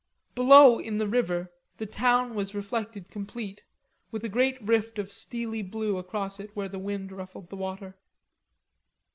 Below in the river the town was reflected complete, with a great rift of steely blue across it where the wind ruffled the water.